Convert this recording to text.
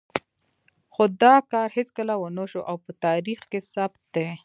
خو دا کار هېڅکله ونه شو او په تاریخ کې ثبت دی.